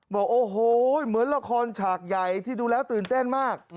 บอกโอ้โหเหมือนละครฉากใหญ่ที่ดูแล้วตื่นเต้นมาก